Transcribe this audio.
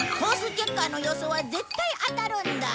チェッカーの予想は絶対当たるんだ。